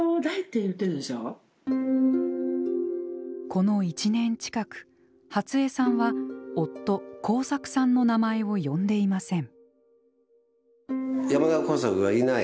この１年近く初江さんは夫耕作さんの名前を呼んでいません。